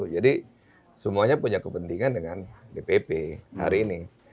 jadi semuanya punya kepentingan dengan dpp hari ini